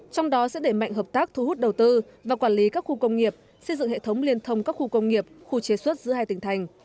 trong đó sẽ để mạnh hợp tác thu hút đầu tư và quản lý các khu công nghiệp xây dựng hệ thống liên thông các khu công nghiệp khu chế xuất giữa hai tỉnh thành